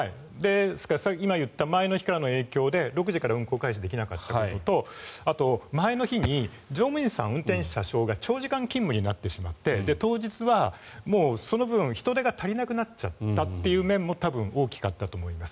ですから、今言った前の日からの影響で６時から運行開始できなかったこととあと、前の日に乗務員さん運転士、車掌が長時間勤務になって当日は人手が足りなくなった面も多分大きかったと思います。